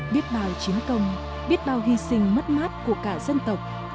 biết bao chiến công biết bao hy sinh mất mát của cả dân tộc